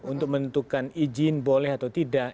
untuk menentukan izin boleh atau tidak